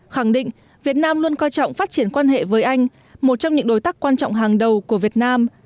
khẳng định việt nam luôn coi trọng phát triển quan hệ với anh một trong những đối tác quan trọng hàng đầu của việt nam